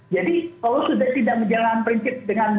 jadi kalau sudah tidak menjalankan prinsip dengan baik